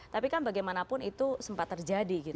tapi kan bagaimanapun itu sempat terjadi gitu